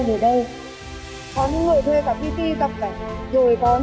mỗi người oder